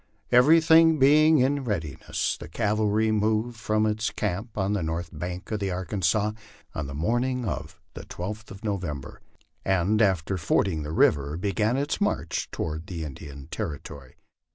Everything being in readiness, the cavalry moved from its camp on the north bank of the Arkansas on the morning of the 12th of November, and after fording the river began its march toward the Indian Territory.